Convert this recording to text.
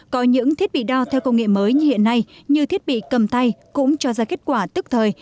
có những thiết bị đo theo công nghệ mới như hiện nay như thiết bị cầm tay cũng cho ra kết quả tức thời